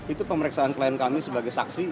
itu pemeriksaan klien kami sebagai saksi